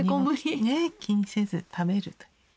ね気にせず食べるという。